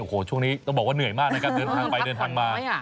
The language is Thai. โอ้โหช่วงนี้ต้องบอกว่าเหนื่อยมากนะครับเดินทางไปเดินทางมา